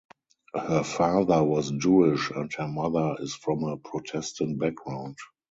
Her father was Jewish, and her mother is from a Protestant background.